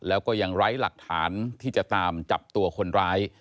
แล้วก็ยังไร้หลักฐานที่จะตามจับตัวคนร้าย